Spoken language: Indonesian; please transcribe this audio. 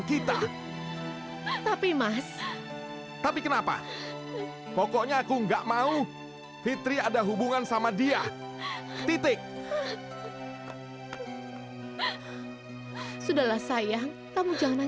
sampai jumpa di video selanjutnya